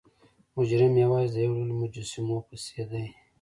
مجرم یوازې د یو ډول مجسمو پسې دی.